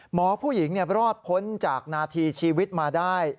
หมอผู้หญิงรอดพ้นจากนาทีชีวิตมาได้